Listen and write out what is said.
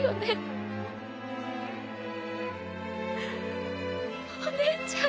うっお姉ちゃん。